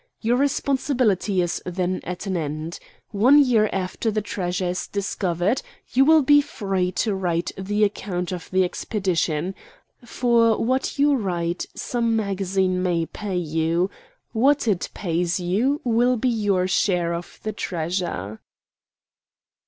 Your responsibility is then at an end. One year after the treasure is discovered, you will be free to write the account of the expedition. For what you write, some magazine may pay you. What it pays you will be your share of the treasure."